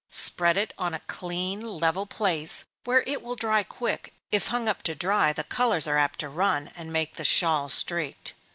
Spread it on a clean, level place, where it will dry quick if hung up to dry, the colors are apt to run, and make the shawl streaked.